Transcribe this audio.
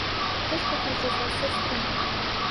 Хто ж пакліча з вас сястру?